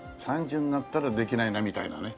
３０になったらできないなみたいなね